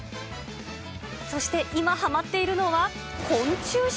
そして今はまっているのは、昆虫食。